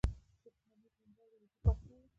شېخ حمید لومړی لودي پاچا وو.